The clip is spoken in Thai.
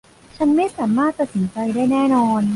ฉันไม่สามารถตัดสินใจได้แน่นอน